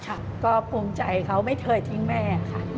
ค่ะก็ภูมิใจเขาไม่เคยทิ้งแม่ค่ะ